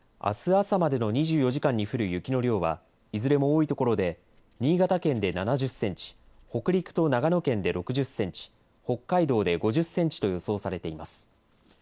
あす朝までの２４時間に降る雪の量はいずれも多いところで新潟県で７０センチ、北陸と長野県で６０センチ、北海道で５０センチと予想されています。